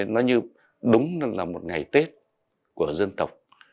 nó như đúng là một ngày tết của dân tộc